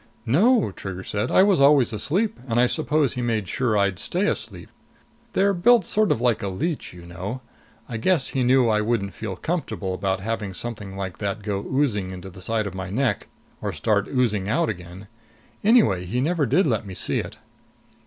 "No," Trigger said. "I was always asleep, and I suppose he made sure I'd stay asleep. They're built sort of like a leech, you know. I guess he knew I wouldn't feel comfortable about having something like that go oozing into the side of my neck or start oozing out again. Anyway, he never did let me see it."